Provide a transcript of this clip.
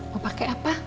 mau pake apa